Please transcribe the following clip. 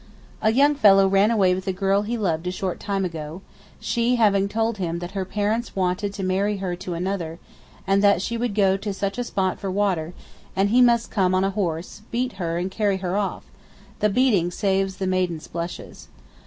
A young fellow ran away with a girl he loved a short time ago, she having told him that her parents wanted to marry her to another, and that she would go to such a spot for water, and he must come on a horse, beat her and carry her off (the beating saves the maiden's blushes).